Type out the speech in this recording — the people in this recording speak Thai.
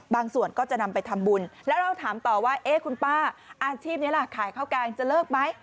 ส่วนก็จะนำไปทำบุญแล้วเราถามต่อว่าเอ๊ะคุณป้าอาชีพนี้ล่ะขายข้าวแกงจะเลิกไหม